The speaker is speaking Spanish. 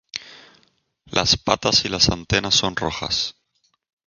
Las patas y las antenas son rojas.